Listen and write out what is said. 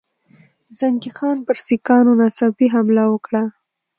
زنګي خان پر سیکهانو ناڅاپي حمله وکړه.